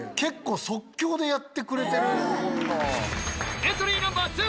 即興でやってくれてる。